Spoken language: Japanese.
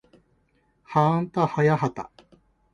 はあんたはやはた